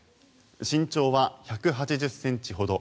身長は１８０ｃｍほど。